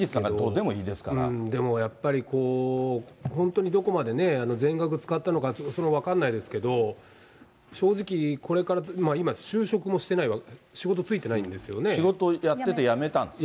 でもやっぱり、本当にどこまで全額使ったのかどうか、それも分からないですけれども、正直、これから、今、仕事やってて辞めたんです。